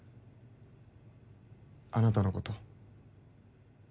あなたのこと。